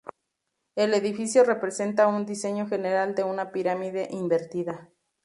El edificio representa un diseño general de una pirámide invertida.